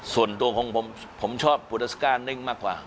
ส่วนตัวผมชอบปูเตอร์สก้านิ่งมากกว่า